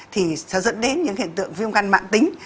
thì sẽ dẫn đến những hiện tượng viêm gan mạng tính